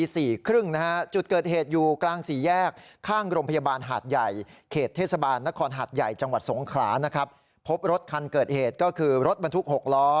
สงขรานะครับพบรถคันเกิดเหตุก็คือรถบรรทุกหกล้อ